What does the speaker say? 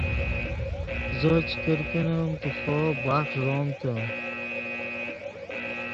زو چے کرکینیم تو خوو بخݰ ݱومتے